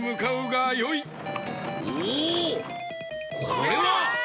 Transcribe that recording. これは！